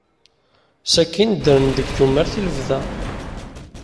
Sakkin ddren deg tumert i lebda.